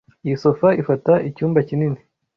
Iyi sofa ifata icyumba kinini.